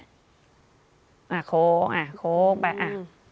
โค้งอ่ะโค้งไปอ่ะ